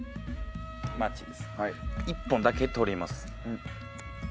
１本だけ取ります。